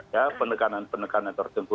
ya penekanan penekanan tertentu